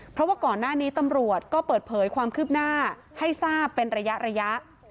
เพราะว่าก่อนหน้านี้ตำรวจก็เปิดเผยความคืบหน้าให้ทราบเป็นระยะ